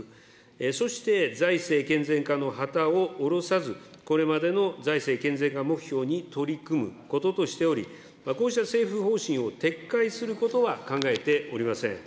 そして、財政健全化の旗を下ろさず、これまでの財政健全化目標に取り組むこととしており、こうした政府方針を撤回することは考えておりません。